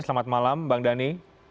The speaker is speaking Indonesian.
selamat malam bang dhani